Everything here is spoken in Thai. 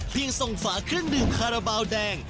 ส่งฝาเครื่องดื่มคาราบาลแดง